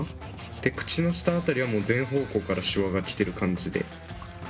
で口の下あたりはもう全方向からシワがきてる感じで。